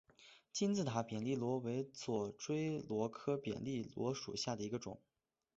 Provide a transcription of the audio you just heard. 金字塔扁粒螺为左锥螺科扁粒螺属下的一个种。